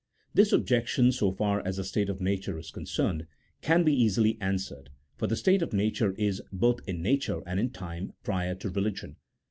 This objection, so far as the state of nature is concerned, can be easily answered, for the state of nature is, both in nature and in time, prior to religion.